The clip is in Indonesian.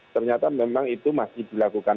ternyata memang itu masih dilakukan